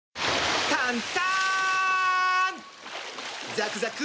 ザクザク！